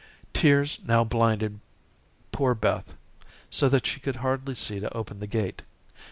Tears now blinded poor Beth so that she could hardly see to open the gate.